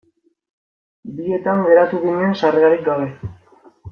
Bietan geratu ginen sarrerarik gabe.